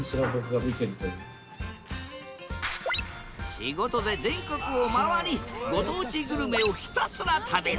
仕事で全国を回りご当地グルメをひたすら食べる。